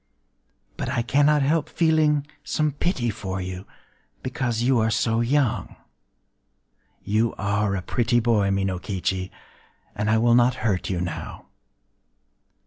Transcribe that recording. But I cannot help feeling some pity for you,—because you are so young... You are a pretty boy, Minokichi; and I will not hurt you now.